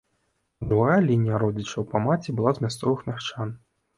А другая лінія родзічаў па маці была з мясцовых мяшчан.